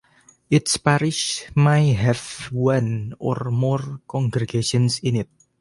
Each parish may have one or more congregations in it.